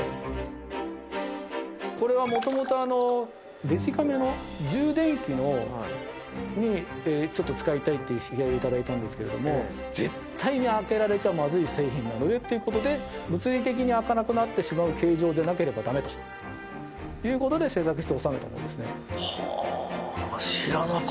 これは、もともとデジカメの充電器に使いたいという依頼をいただいたんですけど絶対に開けられちゃまずい製品なのでということで物理的に開かなくなってしまう形状でなければだめということで製作して納めたものです。